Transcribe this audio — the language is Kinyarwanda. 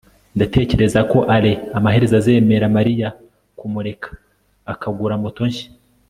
ndatekereza ko alain amaherezo azemeza mariya kumureka akagura moto nshya